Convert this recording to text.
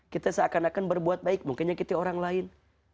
kita seakan akan berbuat baik mungkin nyakiti orang lain